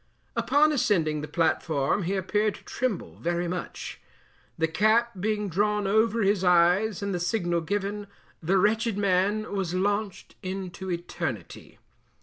Upon ascending the platform he appeared to tremble very much. The cap being drawn over his eyes and the signal given, the wretched man was launched into eternity.